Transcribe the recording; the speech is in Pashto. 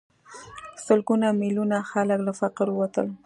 سلګونه میلیونه خلک له فقر ووتل.